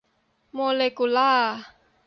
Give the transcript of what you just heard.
โมเลกุลาร์